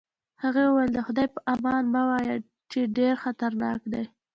هغې وویل: د خدای په امان مه وایه، چې ډېر خطرناک دی.